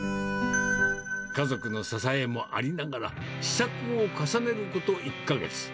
家族の支えもありながら、試作を重ねること１か月。